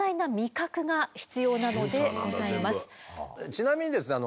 ちなみにですね